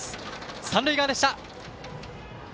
三塁側でした。